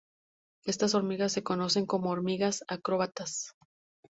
Estas hormigas se conocen como hormigas acróbatas.